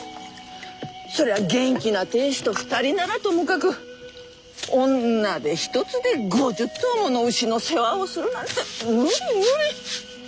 そりゃ元気な亭主と二人ならともかく女手一つで５０頭もの牛の世話をするなんて無理無理。